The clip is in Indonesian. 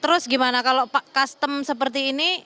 terus gimana kalau custom seperti ini